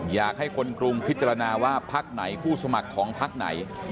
อยากให้คนกรุงพิจารณาว่าพักไหนผู้สมัครของพักไหน